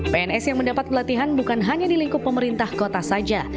pns yang mendapat pelatihan bukan hanya di lingkup pemerintah kota saja